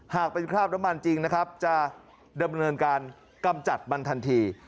หากเป็นคราบน้ำมันจริงนะครับจะดำเนินการกำจัดมันทันที